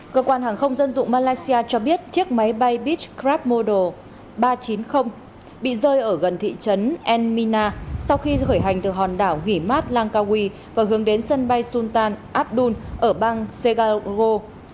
cơ quan hàng không dân dụng malaysia cho biết chiếc máy bay beechcraft model ba trăm chín mươi bị rơi ở gần thị trấn enmina sau khi khởi hành từ hòn đảo nghi mat langkawi và hướng đến sân bay sultan abdul ở bang segarro